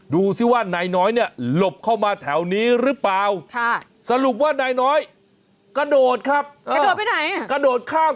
ดูซิว่านายน้อยเนี่ยหลบเข้ามาแถวนี้หรือเปล่าสรุปว่านายน้อยกระโดดครับ